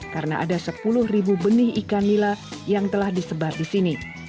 karena ada sepuluh benih ikan lila yang telah disebar di sini